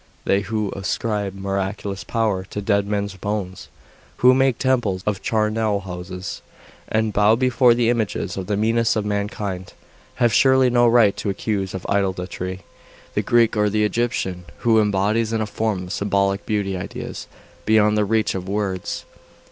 They who ascribe miraculous power to dead men's bones, who make temples of charnel houses, and bow before the images of the meanest of mankind, have surely no right to accuse of idolatry the Greek or the Egyptian, who embodies in a form of symbolic beauty ideas beyond the reach of words!